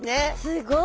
すごい！